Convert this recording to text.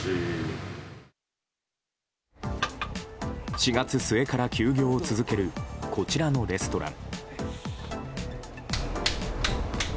４月末から休業を続けるこちらのレストラン。